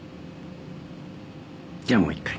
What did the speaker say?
じゃあもう一回。